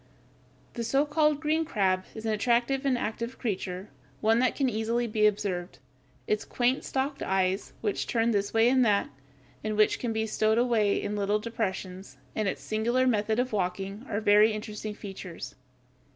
The so called green crab (Fig. 148) is an attractive and active creature, one that can easily be observed. Its quaint stalked eyes, which turn this way and that, and which can be stowed away in little depressions, and its singular method of walking, are very interesting features.